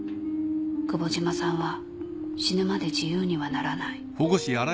久保島さんは死ぬまで自由にはならない